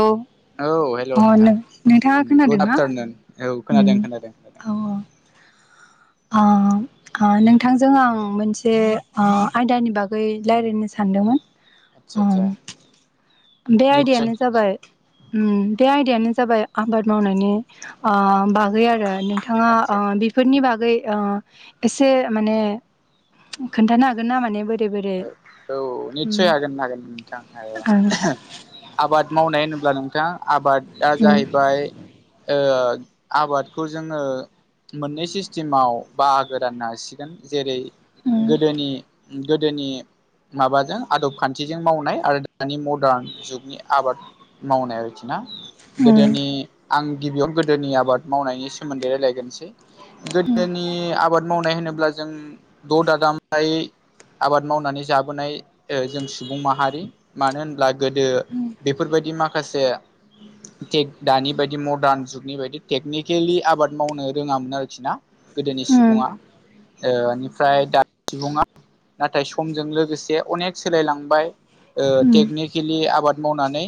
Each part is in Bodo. औ औ हेलौ अ नोंथां नों-नोंथाङा गुड खोनादोंना? आफ्टारनुन औ खोनादों खोनादों खोनादों अ अ नोंथांजों आं मोनसे अ आयदानि बागै रायज्लायनो सानदोंमोन आदसा आदसा अम बे निसय आयदायानो जाबाय उम बे आयदायानो जाबाय आबाद मावनायनि ओ बागै आरो नोंथाङा ओ आदसा बेफोरनि बागै ओ एसे माने खोन्थानो हागोन ना माने बो औ औ निसय हागोन हागोन नोंथां। ओं आबाद मावनाय होनोब्ला नोंथां आबादा जाहैबाय ओ आबादखौ जोङो मोननै सिस्टेमाव बाहागो राननो हासिगोन जेरै उम गोदोनि गोदोनि माबाजों आदब खान्थिजों मावनाय आरो दानि मडार्न जुगनि आबाद मावनाय आरोखि ना उम गोदोनि आं गिबियावनो गोदोनि आबाद मावनायनि सोमोन्दै रायलायगरोनोसै गोदोनि आबाद मावनाय होनोब्ला जों द' दादामब्लायै आबाद मावनानै जाबोनाय ओ जों सुबुं माहारि मानो होनब्ला गोदो बेफोरबायदि माखासे [inaudible] टेक दानि बायदि मदार्न जुगनि बायदि टेकनिकेलि आबाद मावनो रोङामोन आरोखि ना? गोदोनि उम सुबुङा ओ इनिफ्राय दानि सुबुङा नाथाय समजों लोगोसे अनेक सोलायलांबाय ओ उम टेकनिकेलि आबाद मावनानै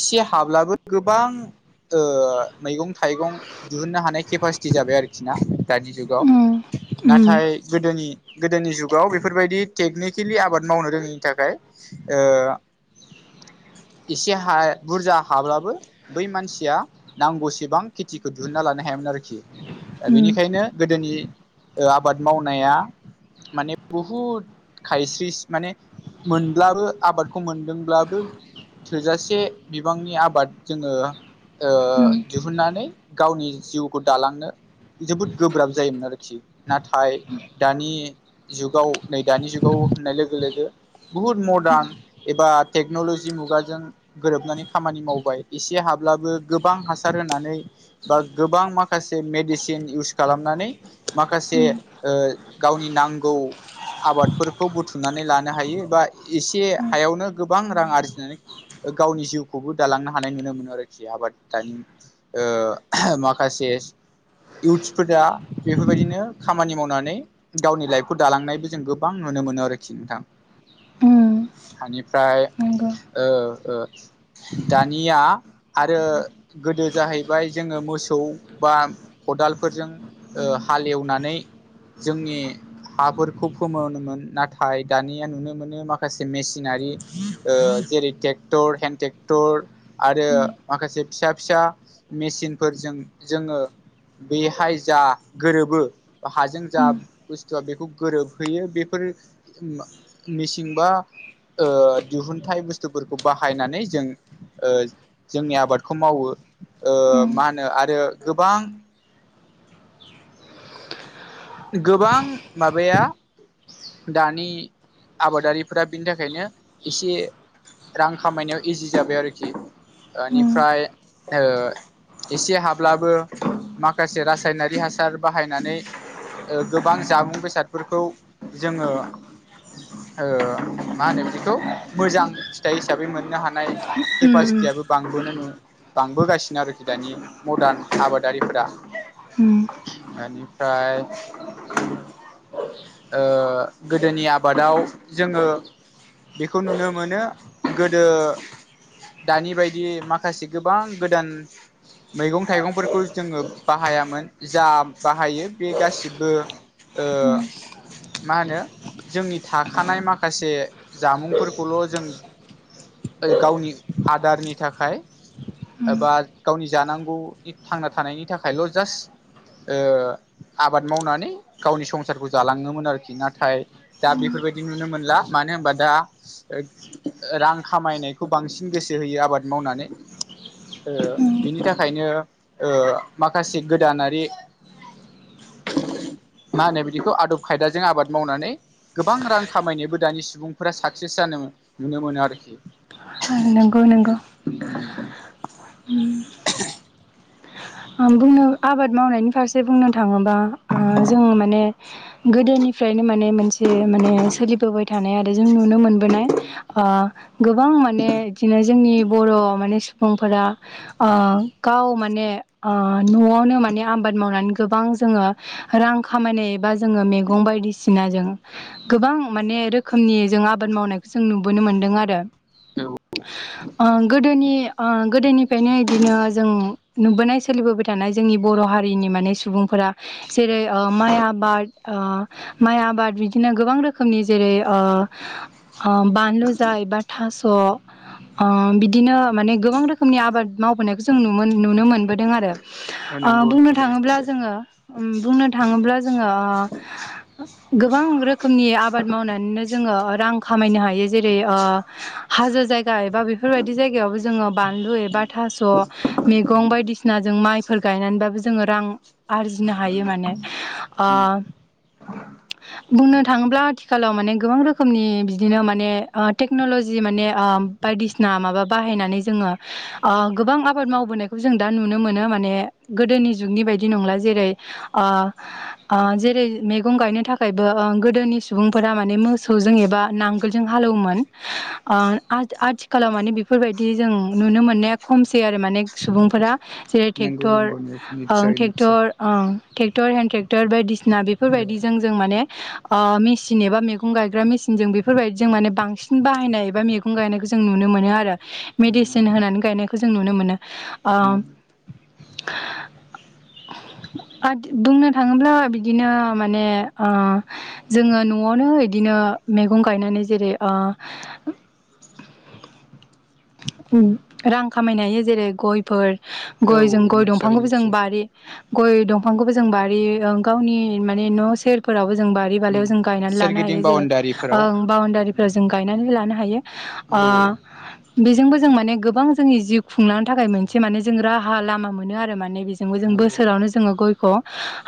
इसे हाब्लाबो गोबां ओ मैगं थाइगं दिहुननो हानाय केपासिटि जाबाय आरोखि ना दानि जुगाव। उम उम नाथाय गोदोनि गोदोनि जुग जुगाव बेफोरबादि टेकनिकेलि आबाद मावनो रोङैनि थाखाय ओ इसे हा बुरजा हाब्लाबो बै मानसिया नांगौसेबां खेथिखौ दिहुनन्ना लानो हायामोन आरोखि। दा उम बेनिखायनो गोदोनि ओ आबाद मावनाया बुहुद खायस्रिस माने मोनब्लाबो आबादखौ मोनदोंब्लाबो थोजासे बिबांनि आबाद जोङो ओ उम दिहुननानै गावनि जिउखौ दालांनो जोबोद गोब्राब जायोमोन आरोखि नाथाय दानि जुगाव नै दानि जुगाव होननाय लोगो लोगो बुहुद मदार्न एबा टेक्नलजि मुगाजों गोरोबनानै खामानि मावबाय एसे हाब्लाबो गोबां हासार होनानै बा गोबां माखासे मेडिसिन इउस खालामनानै माखासे ओ गावनि नांगौ आबादफोरखौ बुथुमनानै लानो हायो एबा एसे उम हायावनो गोबां रां आरजिनानै गावनि जिउखौबो दालांनो हानाय नुनो मोनो आरोखि आबाद दानि ओ माखासे इउथ्सफोरा बेफोरबायदिनो खामानि मावनानै गावनि लाइफ खौ दालांनायबो जों गोबां नुनो मोनो आरोखि नोंथां। उम हानिफ्राय नंगौ ओ ओ दानिया आरो गोदो जाहैबाय जोङो मोसौ बा खदालफोरजों ओ हालेवनानै जोंनि हाफोरखौ फोमोनोमोन नाथाय दानिया नुनो मोनो माखासे मेसिनारि अ जेरै ट्रेक्टर हेन्द ट्रेक्टर आरो उम माखासे फिसा फिसा मिसिनफोरजों जोङो बेहाय जा गोरोबो हाजों जा उम जहा बेखौ गोरोबहैयो बेफोर मिसिंबा ओ दिहुनथाइ बुस्थुफोरखौ बाहायनानै जों ओ जोंनि आबादखौ मावो ओ उम मा होनो आरो गोबां गोबां माबाया दानि आबादारिफोरा बिनि थाखायनो एसे रां खामायनायाव इजि जाबाय आरोखि उम ओनिफ्राय ओ एसे हाब्लाबो माखासे रासायनारि हासार बाहायनानै ओ गोबां जामुं बेसादफोरखौ जोङो ओ मा होनो बिदिखौ मोजां फिथाइ हिसाबै मोननो हानाय नाय उम केपासितियाबो बांबोदों बांबोगासिनो आरोखि दानि मरदान आबादारिफोरा उम ओनिफ्राय ओ गोदोनि आबादाव जोङो बेखौ नुनो मोनो गोदो दानि बायदि माखासे गोबां गोदान मैगं थाइगंफोरखौ जोङो बाहायामोन जा बाहायो बे गासिबो ओ उम मा होनो जोंनि थाखानाय माखासे जामुंफोरखौल' जों गावनि आदारनि थाखाय उम एबा गावनि जानांगौनि थांना थानायनि थाखायल' जास्ट ओ आबाद मावनानै गावनि संसारखौ जालाङोमोन आरोखि नाथाय दा बेफोरबायदि दि नुनो मोनला मानो होनबा दा रां खामायनायखौ बांसिन गोसो होयो आबाद मावनानै ओ उम बिनि थाखायनो ओ माखासे गोदानारि [inaudible] मा होनो बिदिखौ आदब खायदाजों आबाद मावनानै गोबां रां खामायनायबो दानि सुबुंफोरा साक्सेस जानो नुनो मोनो आरोखि नंगौ नंगौ [unintelligible] बुंनो आबाद मावनायनि फारसे बुंनो थाङोबा उम जोंङो माने गोदोनिफ्रायनो माने मोनसे माने सोलिबोबाय थानाय आरो जों नुनो मोनबोनाय ओ गोबां माने बिदिनो जोंनि बर' माने सुबुंफोरा ओ गाव माने ओ न'आवनो माने आबाद मावनानै गोबां जोङो रां खामायनाय एबा जोङो मैगं बायदिसिनाजों गोबां माने रोखोमनि जों आबाद मावनायखौ जों नुबोनो मोनदों आरो। ओ गोदोनि ओ गोदोनिफ्रायनो बिदिनो जों नुबोनाय सोलिबोबाय थानाय जोंनि बर' हारिनि माने सुबुंफोरा जेरै ओ माइ आबाद ओ माइ आबाद बिदिनो गोबां रोखोमनि जेरै ओ ओ बानलु जा एबा थास' ओ बिदिनो माने गोबां रोखोमनि आबाद मावबोनायखौ जों नुनो नुनोमोनबो दों आरो औ ओ नंगौ बुंनो नंगौ थाङोब्ला निसय जोङो उम बुंनो थाङोब्ला जोङो ओ गोबां रोखोमनि आबाद मावनानैनो जोङो रां खामायनो हायो जेरै ओ हाजो जायगा एबा बेफोरबायदि जायगायावबो जोङो बानलु एबा थास' मैगं बायदिसिना नाजों माइफोर गायनानैबाबो जोङो रां आरजिनो हायो माने। ओ बुंनो थाङोब्ला आथिखालाव माने गोबां रोखोमनि बिदिनो माने ओ टेक्न'लजि माने ओ बायदिसिना माबा बाहायनानै जोङो ओ गोबां आबाद मावबोनायखौ जों दा नुनो मोनो माने गोदोनि जुगनि बायदि नंला जेरै ओ ओ जेरै मैगं गायनो थाखायबो ओ गोदोनि सुबुंफोरा माने मोसौजों एबा नांगो लजों हाल एवोमोन ओ आ-आथिखालाव माने बेफोरबायदि जों नुनो मोननाया खमसै आरो माने सुबुंफोरा जेरै नंगौ टेक्टर, नंगौ ओ निसय टेक्टर ओ टेक्टर हेनड टेक्टर बायदिसिना बि बेफोरबायदिजों निसय जों माने ओ मेसिन एबा मैगं गायग्रा मेसिनजों बेफोरबायदि जों माने बांसिन बाहायनाय एबा मैगं गायनायखौ जों नुनो मोनो आरो मेडिसिन होनानै गायनायखौ जों नुनो मोनो। ओ ओ बुंनो थाङोब्ला बिदिनो माने ओ जोङो न'आवनो इदिनो मैगं गायनानै जेरै ओ रां खामायनो हायो जेरै गयफोर औ गयजों गय निस्सय दंफांखौबो जों निस्सय बारि गय दंफांखौबो जों बारि गावनि माने न' सेरफोरावबो जों बारि बालायाव उम जों गायनानै लानो सोरगिदिं हायो जेरै बाउणडारिफोराव ओं बाउण्डारिफोराव जों गायनानै लानो हायो। ओ औ औ बेजोंबो जों माने गोबां जोंनि जिउ खुंलांनो थाखाय मोनसे माने जों राहा लामा मोनो आरो माने बे जोंबो जों औ बोसोरावनो जोङो गय खौ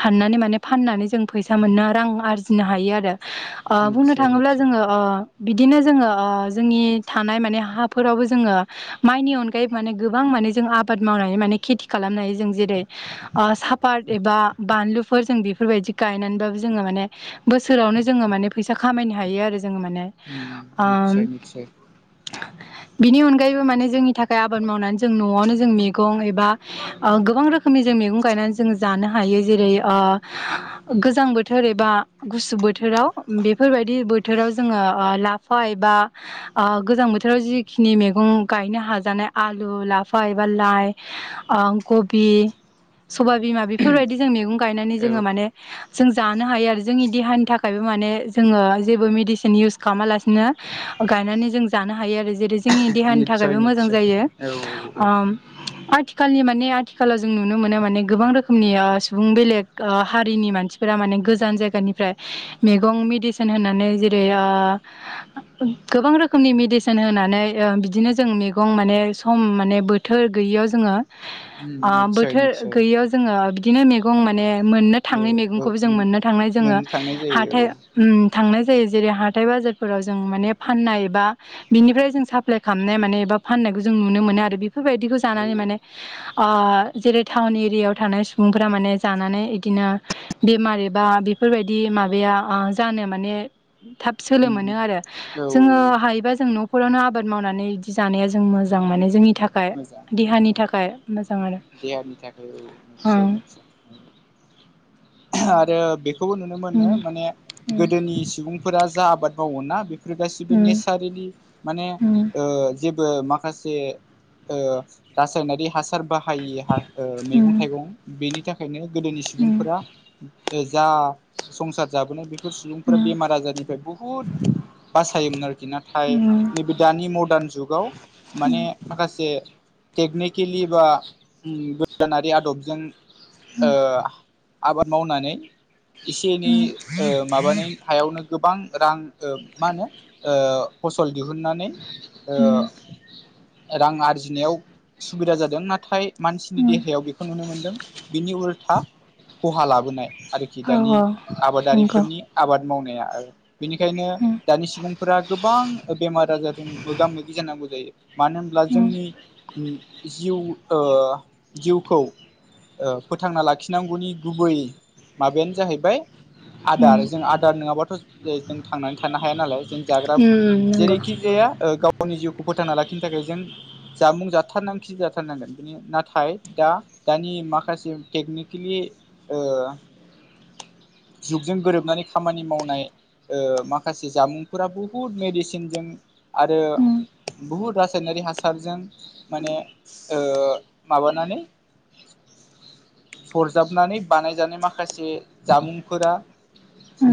हाननानै माने फाननानै जों फैसा मोननो रां आरजिनो हायो आरो। ओ बुंनो निस्सय थाङोब्ला निस्सय जोङो ओ बिदिनो जोङो ओ जोंनि थानाय माने हाफोरावबो जोङो माइनि अनगायैबो माने गोबां माने जों आबाद मावनानै माने खेथि खालामनो हायो जों जेरै ओ सापात एबा बानलुफोर जों बेफोरबायदि गायनानैबाबो जोङो माने बोसोरावनो जोङो माने फैसा खामायनो हायो आरो जोङो माने। उम ओम निस्सय निस्सय। बिनि अनगायैबो माने जोंनि थाखाय आबाद मावनानै जों न'आवनो मैगं एबा ओ गोबां रोखोमनि जों मैगं गायनानै जों जानो हायो जेरै ओ गोजां बोथोर एबा गुसु बोथोराव बेफोरबायदि बोथोराव जोङो ओ ला लाफा एबा ओ गोजां बोथोराव जिखिनि मैगं गायनो हाजानाय आलु लाफा ए बा लाइ ओ खबि सबाइ बिमा बेफोरबायदि जों मैगं गायनानै जोङो औ माने जों जानो हायो आरो जोंनि देहानि थाखायबो माने जोङो जेबो मेडिसिन इउस खालामालासिनो गायनानै जों जानो हायो आरो जेरै जोंनि देहानि निस्सय थाखायबो मोजां निस्सय जायो। औ औ ओ आथिखालनि माने आथिखालाव जों नुनो मोनो माने गोबां रोखोमनि ओ सुबुं बेलेग हारिनि मानसि फोरा माने गोजान जायगानिफ्राय मैगं मेडिसिन होनानै जेरै ओ गोबां रोखोमनि मेडिसिन होनानै ओ बिदिनो जों मैगं माने सम माने बोथोर गैयैयाव जोङो उम ओ निस्सय बोथोर निस्सय गैयैयाव जोङो बिदिनो मैगं माने मोननो औ थाङै औ मैगंखौबो जों मोन मोननो थांनाय जोङो मोननो थांनाय जायो हाथाय औ उम थांनाय जायो जेरै हाथाय बाजारफोराव जों माने फाननाय एबा बिनिफ्राय जों साप्लााय खालामनाय माने एबा फाननायखौ जों नुनो मोनो आरो बेफोरबायदिखौ औ जानानै माने जेरै टाउन एरियायाव थानाय सुबुंफोरा माने जानानै इदिनो बेमार एबा बेफोरबायदि माबाया जानो माने थाब सोलो उम मोनो उम आरो औ जोङो औ हायोबा जों न' न'खरावनो आबाद मावनानै बिदि जानाया जों मोजां माने जोंनि थाखाय मोजां देहानि थाखाय मोजां आरो देहानि थाखाय औ निसय निसय आरो बेखौबो नुनो मोनो माने गोदोनि सुबुंफोरा जा आबाद मावो ना बे बे गासिबो नेचारेलि माने ओ ओ माखासे ओ रासायनारि हासार बाहायि ओ मैगं थाइगं बेनि थाखायनो गोदोनि सुबुंफोरा जा संसार जाबोनाय बेफोर सुबुंफोरा बेमार आजारनिफ्राय बुहुद बासायोमोन आरोखि नाथाय नैबे दानि मडार्न जुगाव माने माखासे टेकनिकेलि आदबजों ओ आबाद मावनानै एसे एनै ओ माबानि हायावनो गोबां रां ओ मा होनो ओ फसल दिहुननानै ओ। रां आरजिनायाव सुबिदा जादों नाथाय मानसिनि देहायाव बेखौ नुनो मोनदों बिनि उल्था खहा लाबोनाय आरोखि दानि नंगौ आबादारिफोरनि आबाद मावनाया बेनिखायनो दानि सुबुं फोरा गोबां बेमार आजारजों मोगा मोगि जानांगौ जायो मानो होनब्ला जोंनि जिउ ओ जिउखौ फोथांना लाखिनांगौनि गुबै माबायानो जाहैबाय आदार जों आदार नङाबाथ' जों थांनानै थानो हाया नालाय जों जाग्रा जेरैखि जाया ओ गावनि जिउखौ फोथांना लाखिनो थाखाय जों जामुं जाथारनांग खि जाथारनांगोन नाथाय दा दानि माखासे टेकनिकेलि ओ जुगजों गोरोबनानै खामानि मावनाय ओ माखासे जामुंफोरा बुहुद मेडिसिनजों आरो उम बुहुद रासायनारि हासारजों माने ओ माबानानै सरजाबनानै बानायजानाय माखासे जामुंफोरा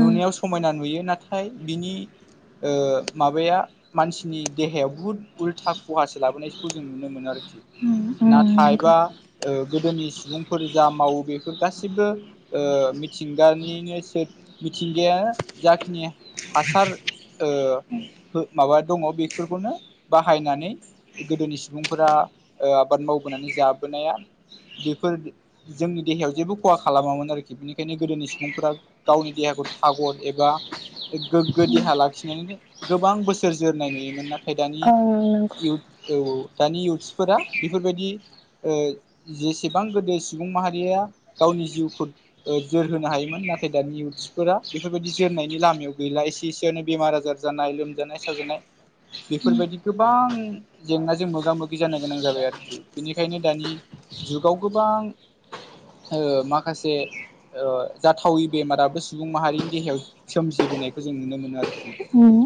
नुनायाव सयाना नुयो नाथाय बिनि ओ माबाया मानसिनि देहायाव बुहुत उल्था खहासो लाबोनायखौ जों नुनो मोनो आरोखि नंगौ नाथायबा ओ गोदोनि सुबुं फोर जा मावो बेफोर गासिबो ओ मिथिंगानिनो सोर मिथिंगाया जाखिनि हासार ओ हो माबा दङ बिफोरखौनो बाहायनानै गोदोनि सुबुंफोरा ओ आबाद मावबोनानै जाबोनाया बेफोर जोंनि देहायाव जेबो खहा खालामामोन आरोखि बेनिखायनो गोदोनि सुबुंफोरा गावनि देहाखौ थागर एबा गोगो देहा लाखिनानैनो गोबां बोसोर जोरनाय नुयोमोन नाथाय दानि इउसद औ औ दानि इुथ्सफोरा बेफोरबायदि ओ जेसेबां गोदो सुबुं माहारिया गावनि जिउखौ ओ जोरहोनो हायोमोन नाथाय दानि इउथस सिफोरा बेफोरबायदि जोरनायनि लामायाव गैला एसे एसेयनो बेमार आजार जानाय लोमजानाय साजानाय बिफोरबायदि गोबां जेंनाजों मोगा मोगि जानो गोनां जाबाय आरोखि बेनिखायनो दानि जुगाव गोबां ओ माखासे ओ जाथावै बेमाराबो सुबुं माहारिनि देहायाव सोमजिबोनायखौ जों नुनो मोनो आरो खि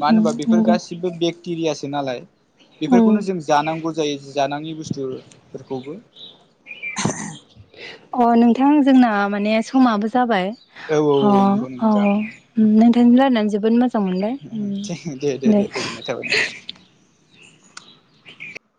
मानो होनबा बेफोर नंगौ गासिबो बे क्टेरियासो नालाय उम बेफोरखौनो जों जानांगौ जायो जि जानाङि बुस्थुफोरखौबो अ नोंथां जोंना माने समाबो जाबाय। औ औ अ औ नंगौ अ नोंथां नोंथांजों रायलायनानै जोबोद मोनबाय ओम। दे दे दे गोजोनबाय।